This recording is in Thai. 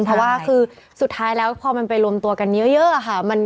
เพราะว่าคือสุดท้ายแล้วพอมันไปรวมตัวกันเยอะค่ะ